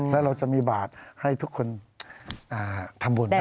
แล้วเราจะมีบาทให้ทุกคนทำบุญ